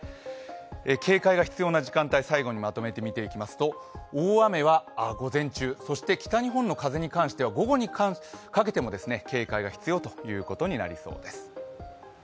警戒が必要な時間帯を最後にまとめて見ていきますと、大雨は午前中、そして北日本の風に関しては午後にかけても警戒が必要ということになりそうです。